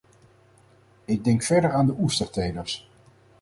Ik denk verder aan de oestertelers.